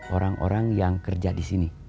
orang orang yang kerja di sini